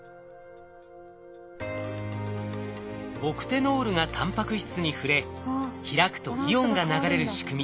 オクテノールがタンパク質に触れ開くとイオンが流れる仕組み。